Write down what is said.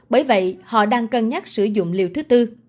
bởi vậy họ đang cân nhắc sử dụng liều thứ tư